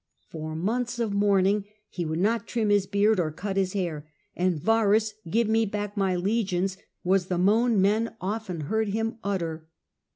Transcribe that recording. For months of mourning he would not trim his beard or cut his hair, and ^ Varus, give me back my legions was the moan men often heard him utter.